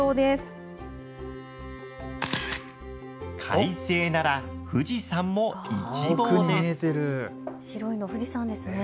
快晴なら富士山も一望です。